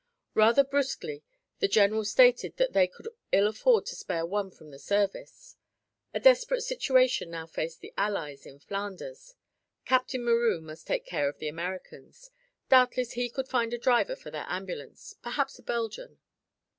Rather brusquely the general stated that they could ill afford to spare one from the service. A desperate situation now faced the Allies in Flanders. Captain Meroux must take care of the Americans; doubtless he could find a driver for their ambulance perhaps a Belgian.